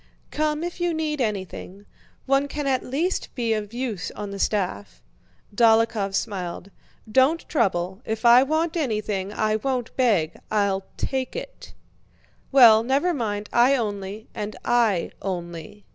"Come if you need anything. One can at least be of use on the staff..." Dólokhov smiled. "Don't trouble. If I want anything, I won't beg—I'll take it!" "Well, never mind; I only..." "And I only..."